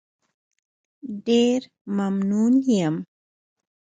ډېر ممنون یم.